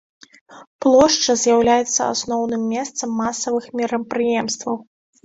Плошча з'яўляецца асноўным месцам масавых мерапрыемстваў.